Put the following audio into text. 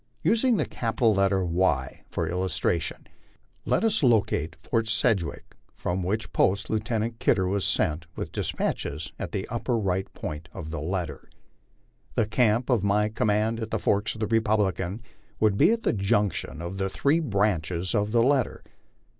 Using the capital letter Y for illustration, let us locate Fort Sedgwick, from which post Lieutenant Kidder was sent with despatches, at the right upper point of the letter. The camp of my command at the forks of the Republican would be at the junction of the three branches of the letter.